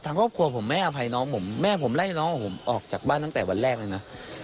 ครอบครัวผมไม่อภัยน้องผมแม่ผมไล่น้องของผมออกจากบ้านตั้งแต่วันแรกเลยนะ